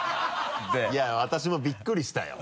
いや私もびっくりしたよ。